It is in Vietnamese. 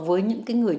với những cái người